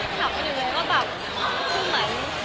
แต่ว่าคือเราก็ยังขับอยู่